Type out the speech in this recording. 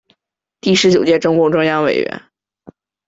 第十九届中共中央委员。